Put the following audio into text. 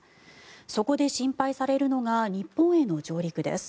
そこで心配されるのが日本への上陸です。